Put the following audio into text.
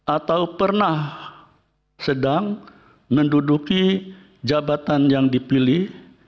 atau pernah sedang menduduki jabatan yang dipilih